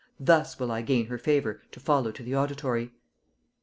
Thus will I gain her favor to follow to the auditory.